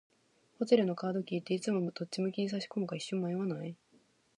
ホテルのカードキーって、いつもどっち向きに差し込むか一瞬迷わない？